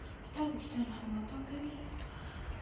دا وېښتان هوا پاکوي.